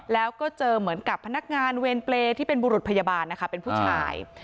แล้วก็เจอเหมือนกับพนักงานเวรเปรย์ที่เป็นบุรุษพยาบาลนะคะเป็นผู้ชาย